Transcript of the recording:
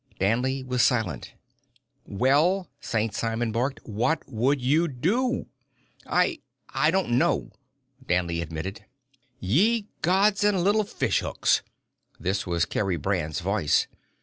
Danley was silent. "Well?" St. Simon barked. "What would you do?" "I ... I don't know," Danley admitted. "Ye gods and little fishhooks!" This was Kerry Brand's voice.